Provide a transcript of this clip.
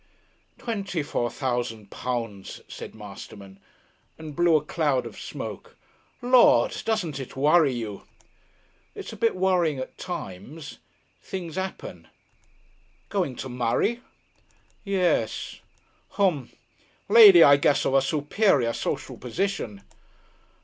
"Twenty four thousand pounds," said Masterman, and blew a cloud of smoke. "Lord! Doesn't it worry you?" "It is a bit worrying at times.... Things 'appen." "Going to marry?" "Yes." "H'm. Lady, I guess, of a superior social position?"